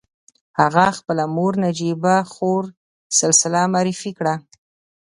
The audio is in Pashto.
هغه خپله مور نجيبه خور سلسله معرفي کړه.